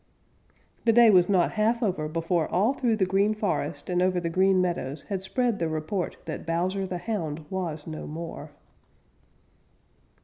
The day was not half over before all through the Green Forest and over the Green Meadows had spread the report that Bowser the Hound was no more.